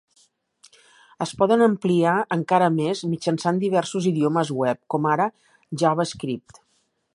Es poden ampliar encara més mitjançant diversos idiomes web, com ara JavaScript.